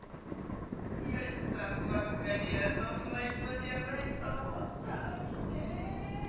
芳さんばかりはそんな人じゃないと思ったのにねぇ」。